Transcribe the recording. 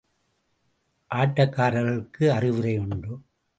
ஆட்டக்காரர்களுக்கு அறிவுரை ஒன்று.